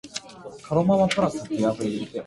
飜訳という仕事は畢竟するに、